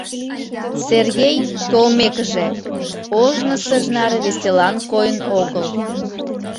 Сергей, толмекыже, ожнысыж наре веселан койын огыл.